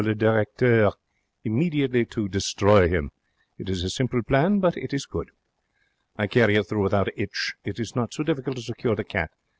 le Directeur immediately to destroy him. It is a simple plan, but it is good. I carry it through without a 'itch. It is not so difficult to secure the cat.